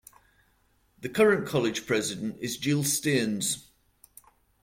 The current college president is Jill Stearns.